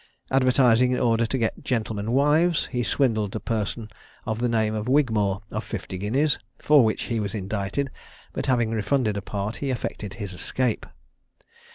Advertising in order to get gentlemen wives, he swindled a person of the name of Wigmore of fifty guineas, for which he was indicted; but having refunded a part, he effected his escape.